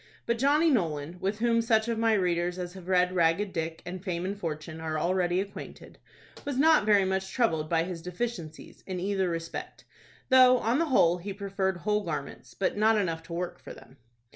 But Johnny Nolan, with whom such of my readers as have read "Ragged Dick" and "Fame and Fortune" are already acquainted, was not very much troubled by his deficiencies in either respect, though on the whole he preferred whole garments, but not enough to work for them.